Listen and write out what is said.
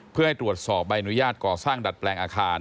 เพื่อให้ตรวจสอบใบอนุญาตก่อสร้างดัดแปลงอาคาร